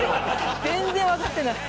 全然わかってない。